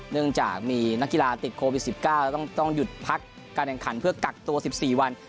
เนื่องจากมีนักกีฬาติดโควิด๑๙แล้วต้องหยุดพักการแข่งขันเพื่อกักตัว๑๔วัน